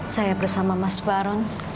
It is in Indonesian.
saya bersama mas barun